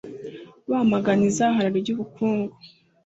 bamagana izahara ry’ubukungu